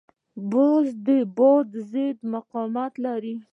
باز د باد ضد مقاومت لري